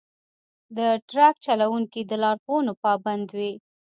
د ټرک چلوونکي د لارښوونو پابند وي.